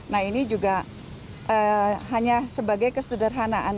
nah ini juga hanya sebagai kesederhanaan